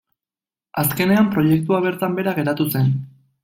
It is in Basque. Azkenean proiektua bertan behera geratu zen.